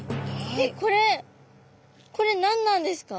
えっこれこれ何なんですか？